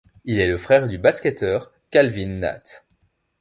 Il est le frère du basketteur Calvin Natt.